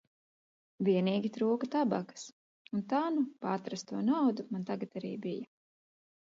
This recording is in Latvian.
Vienīgi trūka tabakas un tā nu pa atrasto naudu man tagad arī bija.